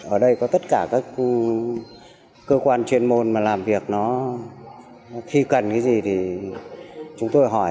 ở đây có tất cả các cơ quan chuyên môn mà làm việc nó khi cần cái gì thì chúng tôi hỏi